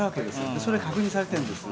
それは確認されているんです。